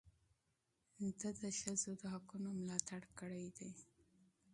ده د ښځو د حقونو ملاتړ کړی دی.